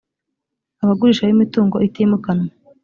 abagurisha b imutungo itimukanwa